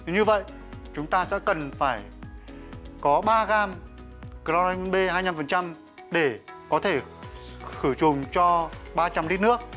như vậy chúng ta sẽ cần phải có ba gram chron b hai mươi năm để có thể khử trùng cho ba trăm linh lít nước